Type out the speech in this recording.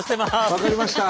分かりました。